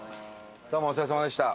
どうもお世話さまでした。